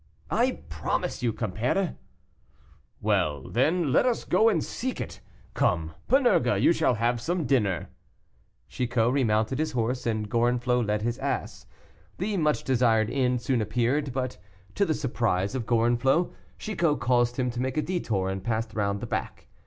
"I promise you, compère." "Well, then, let us go and seek it. Come, Panurge, you shall have some dinner." Chicot remounted his horse, and Gorenflot led his ass. The much desired inn soon appeared, but, to the surprise of Gorenflot, Chicot caused him to make a detour and pass round the back.